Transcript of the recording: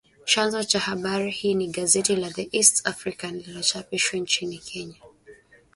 Chanzo cha habari hii ni gazeti la “The East African” linalochapishwa nchini Kenya